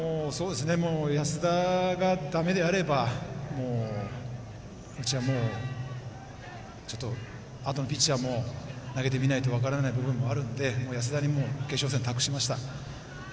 安田がだめであればうちはもう、ちょっとあとのピッチャーも投げてみないと分からない部分があるので安田に決勝戦を託しました。